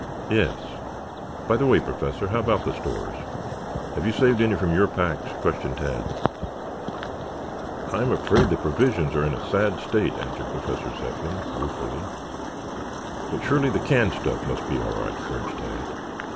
"Yes. By the way, Professor, how about the stores? Have you saved any from your packs?" questioned Tad. "I am afraid the provisions are in a sad state," answered Professor Zepplin ruefully. "But surely the canned stuff must be all right," urged Tad.